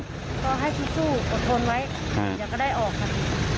ก็ให้คิดสู้อดทนไว้เดี๋ยวก็ได้ออกค่ะ